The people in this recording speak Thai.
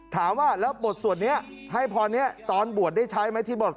ถามว่าแล้วบทสวดนี้ให้พรนี้ตอนบวชได้ใช้ไหมที่บท